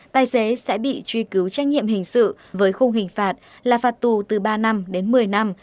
tài xế sẽ bị truy cứu trách nhiệm hình sự với khung hình phạt là phạt tù từ ba năm đến một mươi năm